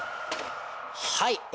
はい。